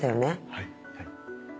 はい。